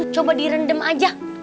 coba direndam aja